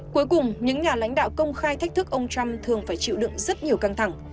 cuối cùng những nhà lãnh đạo công khai thách thức ông trump thường phải chịu đựng rất nhiều căng thẳng